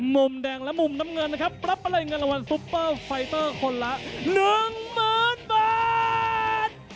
มุมแดงและมุมน้ำเงินนะครับรับไปเลยเงินรางวัลซุปเปอร์ไฟเตอร์คนละ๑๐๐๐บาท